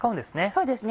そうですね。